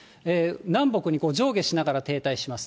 南北に上下しながら停滞します。